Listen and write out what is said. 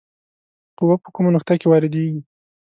قوه په کومه نقطه کې واردیږي؟